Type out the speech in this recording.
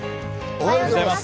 おはようございます。